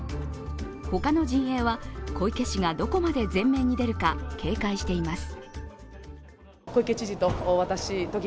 他の陣営は、小池氏がどこまで前面に出るか警戒しています。